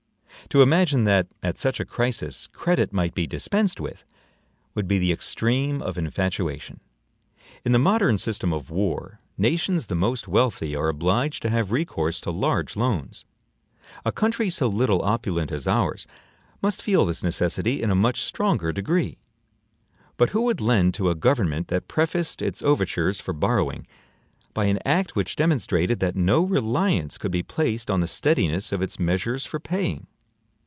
To imagine that at such a crisis credit might be dispensed with, would be the extreme of infatuation. In the modern system of war, nations the most wealthy are obliged to have recourse to large loans. A country so little opulent as ours must feel this necessity in a much stronger degree. But who would lend to a government that prefaced its overtures for borrowing by an act which demonstrated that no reliance could be placed on the steadiness of its measures for paying?